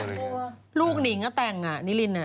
ลูกนิงอ่ะแต่งนิลิน